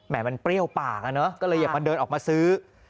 มันเปรี้ยวปากอ่ะเนอะก็เลยอย่ามาเดินออกมาซื้อ